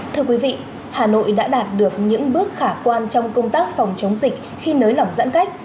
thưa quý vị hà nội đã đạt được những bước khả quan trong công tác phòng chống dịch khi nới lỏng giãn cách